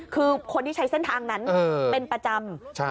คือคนที่ใช้เส้นทางนั้นเป็นประจำ